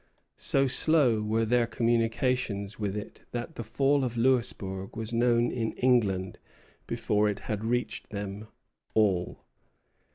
So slow were their communications with it that the fall of Louisbourg was known in England before it had reached them all.